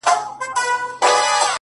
رمې دي د هغه وې اې شپنې د فريادي وې ـ